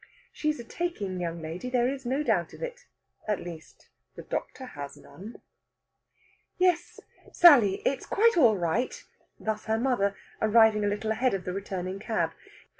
She is a taking young lady, there is no doubt of it. At least, the doctor has none. "Yes, Sally, it's all quite right." Thus her mother, arriving a little ahead of the returning cab.